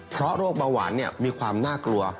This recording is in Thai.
เพราะโรคเบาหวานมีความน่ากลัว